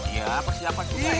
ya persiapan susah